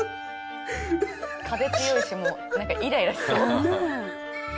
風強いしなんかイライラしそう。